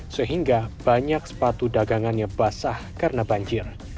sehingga banyak sepatu dagangannya basah karena banjir